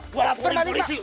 gue belum baling pak